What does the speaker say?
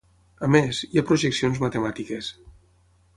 A més, hi ha projeccions matemàtiques.